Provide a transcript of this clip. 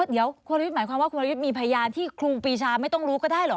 อ๋อเดี๋ยวควรรยุทธศหมายความว่าควรรยุทธศมีพยานที่คลูปีชาไม่ต้องรู้ก็ได้เหรอ